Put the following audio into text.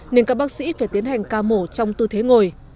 nên các bác sĩ phải tiến hành ca mổ trong tư thế ngồi